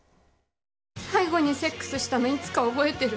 最後にセックスしたのいつか覚えてる？